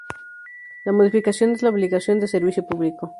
La modificación de la obligación de servicio público